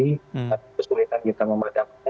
tapi kesulitan kita memadamnya